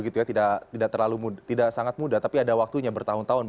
tidak sangat mudah tapi ada waktunya bertahun tahun